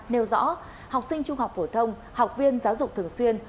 nêu rõ học sinh trung học phổ thông học viên giáo dục thường xuyên